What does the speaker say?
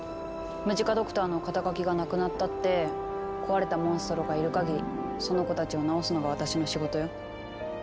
ムジカ・ドクターの肩書がなくなったって壊れたモンストロがいるかぎりその子たちをなおすのが私の仕事よ。